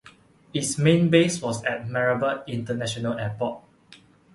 Its main base was at Mehrabad International Airport.